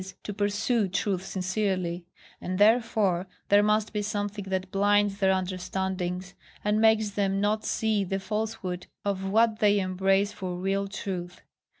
to pursue truth sincerely; and therefore there must be something that blinds their understandings, and makes them not see the falsehood of what they embrace for real truth.